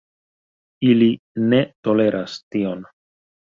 Ili ne toleras tion.